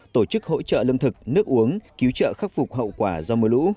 tổ chức hỗ trợ lương thực nước uống cứu trợ khắc phục hậu quả do mưa lũ